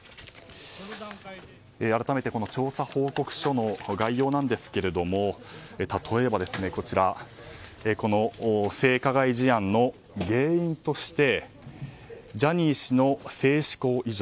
改めて調査報告書の概要なんですが例えば、性加害事案の原因としてジャニーズ氏の性嗜好異常